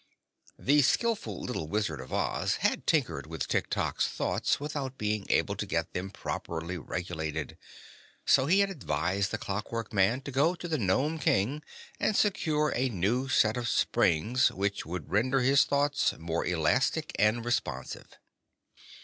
The skillful little Wizard of Oz had tinkered with Tiktok's thoughts without being able to get them properly regulated, so he had advised the Clockwork Man to go to the Nome King and secure a new set of springs, which would render his thoughts more elastic and responsive.